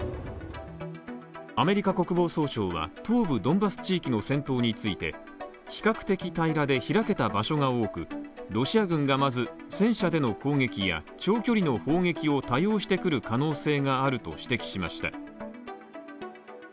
アメリカ国防総省は、東部ドンバス地域の戦闘について、比較的平らで開けた場所が多くロシア軍がまず戦車での攻撃や長距離の攻撃を多用してくる可能性があると指摘しました。